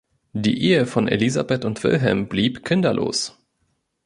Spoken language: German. Die Ehe von Elisabeth und Wilhelm blieb kinderlos.